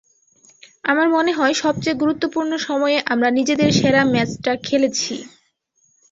আমার মনে হয়, সবচেয়ে গুরুত্বপূর্ণ সময়ে আমরা নিজেদের সেরা ম্যাচটা খেলেছি।